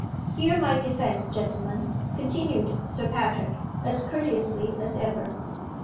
"Hear my defense, gentlemen," continued Sir Patrick, as courteously as ever.